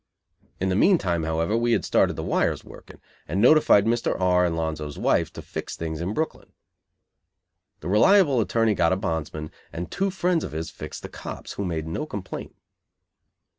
In the meantime, however, we had started the wires working, and notified Mr. R. and Lonzo's wife to "fix" things in Brooklyn. The reliable attorney got a bondsman, and two friends of his "fixed" the cops, who made no complaint.